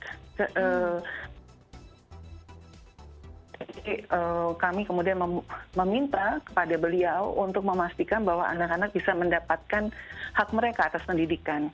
jadi kami kemudian meminta kepada beliau untuk memastikan bahwa anak anak bisa mendapatkan hak mereka atas pendidikan